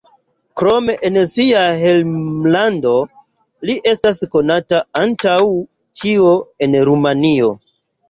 Krom en sia hejmlando li estas konata antaŭ ĉio en Rumanio.